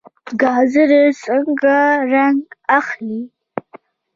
ګازرې څنګه رنګ اخلي؟